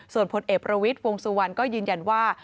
ส่วนพลเอกประวิทย์วงสุวรรณก็ยืนยันว่า